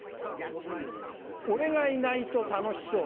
俺がいないと楽しそう。